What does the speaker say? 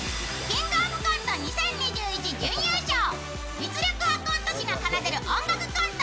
実力派コント師が奏でる音楽コント。